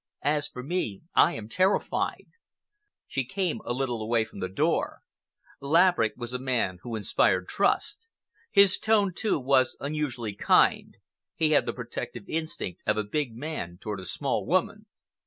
As for me, I am terrified." She came a little away from the door. Laverick was a man who inspired trust. His tone, too, was unusually kind. He had the protective instinct of a big man toward a small woman.